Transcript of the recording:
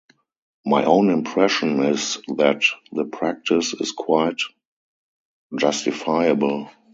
My own impression is that the practice is quite justifiable.